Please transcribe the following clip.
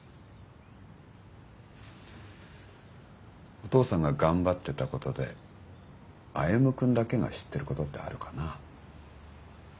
お父さんが頑張ってたことで歩君だけが知ってることってあるかな。